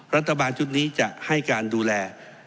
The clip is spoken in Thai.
รัฐบาลชุดนี้จะให้การดูแล